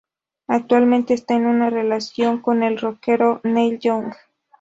Actualmente está en una relación con el rockero Neil Young.